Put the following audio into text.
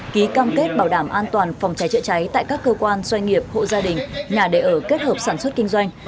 ký cam kết bảo đảm an toàn phòng cháy chữa cháy tại các cơ quan doanh nghiệp hộ gia đình nhà đề ở kết hợp sản xuất kinh doanh